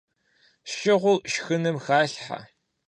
Шыгъур шхыным халъхьэ.